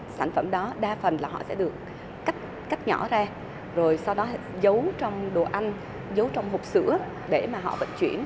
sản phẩm đó đa phần sẽ được cách nhỏ ra rồi sau đó giấu trong đồ ăn giấu trong hộp sữa để họ vận chuyển